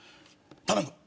頼む！